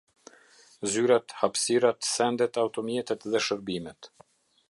Zyrat, hapsivat, sendet, antomjetet dhe shërbimet.